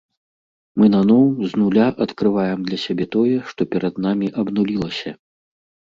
Мы наноў, з нуля адкрываем для сябе тое, што перад намі абнулілася.